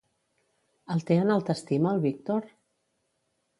El té en alta estima al Víctor?